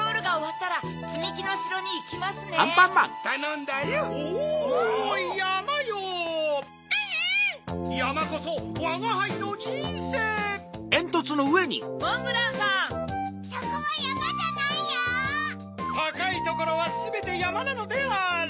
たかいところはすべてやまなのである。